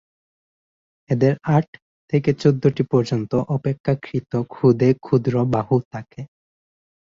এদের আট থেকে চৌদ্দটি পর্যন্ত অপেক্ষাকৃত ক্ষুদে ক্ষুদ্র বাহু থাকে।